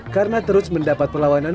karena terus mendapat perlawanan